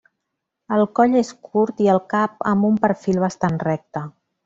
El coll és curt i el cap amb un perfil bastant recte.